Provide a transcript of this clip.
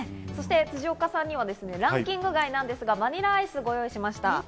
辻岡さんにはランキング外ですが、バニラアイスをご用意しました。